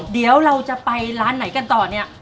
เดี๋ยวเราจะไปร้านไหนกันต่อเนี่ย